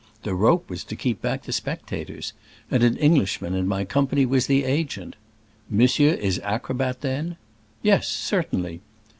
The rope was to keep back the spectators, and an Englishman in my company was the agent. "Monsieur is acrobat, then?" "Yes, certainly."